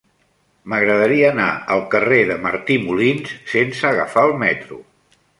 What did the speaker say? M'agradaria anar al carrer de Martí Molins sense agafar el metro.